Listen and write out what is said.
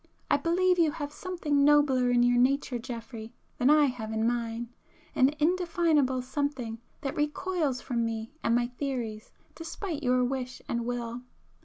I believe you have something nobler in your nature, Geoffrey, than I have in mine,—an indefinable something that recoils from me and my theories despite your wish and will.